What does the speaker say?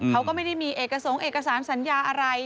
เขาก็ไม่ได้มีเอกสงคเอกสารสัญญาอะไร